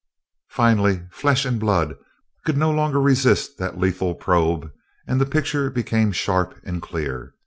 Finally, flesh and blood could no longer resist that lethal probe and the picture became sharp and clear.